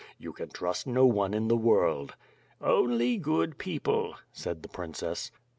You can trust no one in the world." "Only' good people," said the princess.